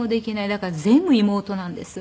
だから全部妹なんです。